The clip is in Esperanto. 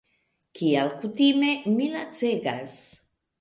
Kiel kutime, mi lacegas.